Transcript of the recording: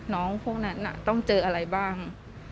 พวกนั้นต้องเจออะไรบ้าง